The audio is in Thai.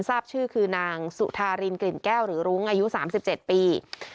ทราบชื่อคือนางสุธารินกลิ่นแก้วหรือรุ้งอายุ๓๗ปี